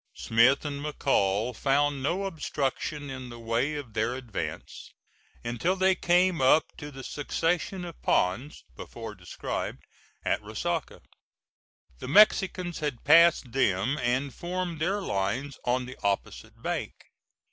Smith and McCall found no obstruction in the way of their advance until they came up to the succession of ponds, before described, at Resaca. The Mexicans had passed them and formed their lines on the opposite bank.